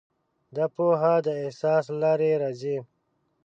دا پوهه د احساس له لارې راځي.